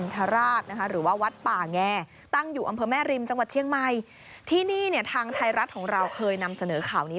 ให้หมดแผงเลยเหรอจัดไปแล้วไปดูกันค่ะ